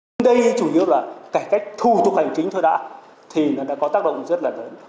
nhưng đây chủ yếu là cải cách thủ tục hành chính thôi đã thì nó đã có tác động rất là lớn